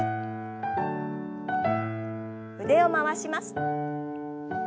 腕を回します。